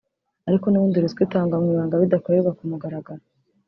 ari uko n’ubundi ruswa itangwa mu ibanga bidakorerwa ku mugaragaro